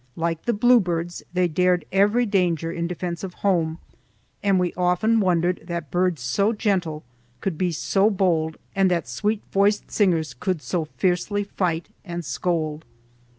Like the bluebirds they dared every danger in defense of home, and we often wondered that birds so gentle could be so bold and that sweet voiced singers could so fiercely fight and scold.